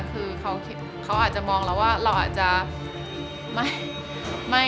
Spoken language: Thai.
คือเขาคิดเขาอาจจะมองเราว่าเราอาจจะไม่